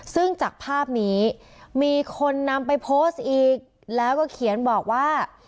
ซึ่งจากภาพนี้มีคนนำไปโพสต์อีกแล้วก็เขียนบอกว่า